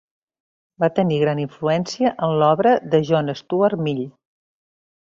Va tenir gran influència en l'obra de John Stuart Mill.